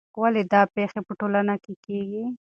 ولې دا پېښې په ټولنه کې کیږي؟